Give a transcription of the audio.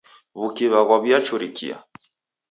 W'ukiw'a ghwawiachurikia.